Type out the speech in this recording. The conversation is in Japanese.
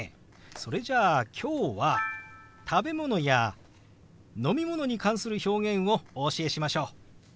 それじゃあ今日は食べ物や飲み物に関する表現をお教えしましょう！